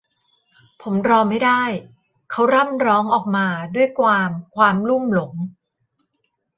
ผมรอไม่ได้ เขาร่ำร้องออกมาด้วยความความลุ่มหลง